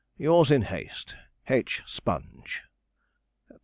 Yours in haste, 'H. SPONGE.